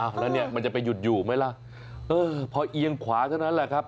เวลาพอเอียงขวาเท่านั้นแหละครับ